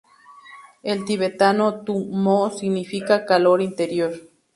En tibetano "tu-mmo" significa ‘calor interior’.